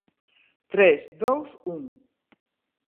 tres, dous, un.